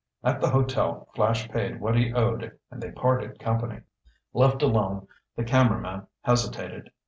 At the hotel Flash paid what he owed and they parted company. Left alone, the cameraman hesitated.